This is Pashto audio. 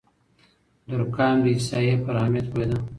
دورکهايم د احصائيې پر اهميت پوهېده.